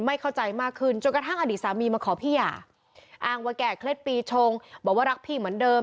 ไม่เข้าใจมากขึ้นจนกระทั่งอดีตสามีมาขอพี่หย่าอ้างว่าแก่เคล็ดปีชงบอกว่ารักพี่เหมือนเดิม